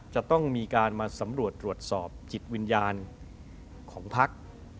จะต้องมีการมาสำรวจตรวจสอบจิตวิญญาณของพัก